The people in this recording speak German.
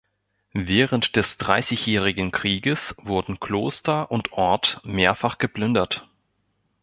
Während des Dreißigjährigen Krieges wurden Kloster und Ort mehrfach geplündert.